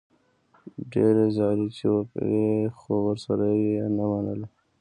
ډېرې زارۍ یې وکړې، خو ورسره و یې نه منله.